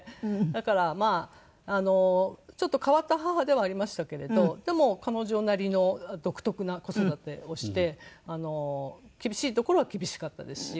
だからちょっと変わった母ではありましたけれどでも彼女なりの独特な子育てをして厳しいところは厳しかったですし。